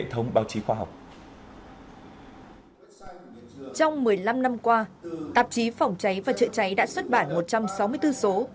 trong một mươi năm năm qua tạp chí phòng cháy và chữa cháy đã xuất bản một trăm sáu mươi bốn số